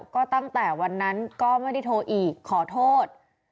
ก็ตั้งแต่วันนั้นก็ไม่ได้โทรอีกขอโทษ